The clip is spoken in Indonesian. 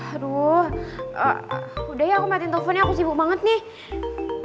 aduh udah ya aku main teleponnya aku sibuk banget nih